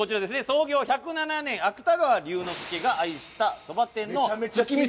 創業１０７年芥川龍之介が愛したそば店の月見そば。